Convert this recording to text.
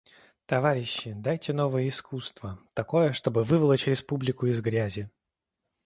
Товарищи, дайте новое искусство — такое, чтобы выволочь республику из грязи.